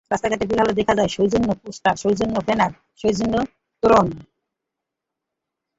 রাস্তাঘাটে বের হলে দেখা যায় সৌজন্য পোস্টার, সৌজন্য ব্যানার, সৌজন্য তোরণ।